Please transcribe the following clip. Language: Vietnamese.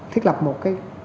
thiết lập một cái